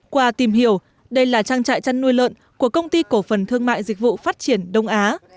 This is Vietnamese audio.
qua tìm hiểu đây là trang trại chăn nuôi lợn của công ty cổ phần thương mại dịch vụ phát triển đông á